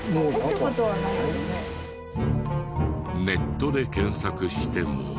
ネットで検索しても。